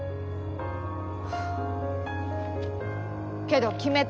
けど決めた。